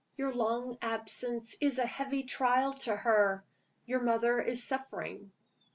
Your long absence is a heavy trial to her your mother is suffering."